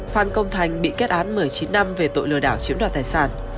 phan công thành bị kết án một mươi chín năm về tội lừa đảo chiếm đoạt tài sản